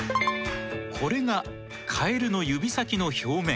これがカエルの指先の表面。